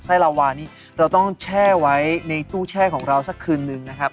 ลาวานี้เราต้องแช่ไว้ในตู้แช่ของเราสักคืนนึงนะครับ